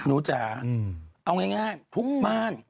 หนูจ๋าเอาง่ายพรุ่งม่าน